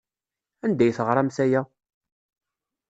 Anda ay teɣramt aya?